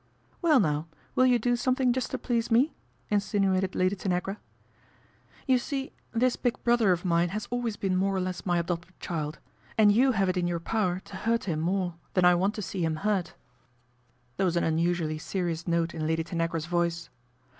' Well, now, will you do something just to please me ?" insinuated Lady Tanagra. ' You see this big brother of mine has always been more or less my adopted child, and you have it hi your power to hurt him more than I want to see him 176 PATRICIA BRENT, SPINSTER hurt/* There was an unusually serious note in Lady Tanagra's voice.